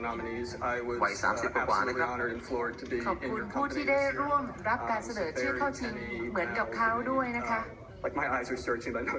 ๕รางวัลละครับเป็นแชมพ์ของคุณที่ยังรับการเสพสิงสาธารณ์ที่เข้าชิงนะครับ